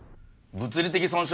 物理的損傷？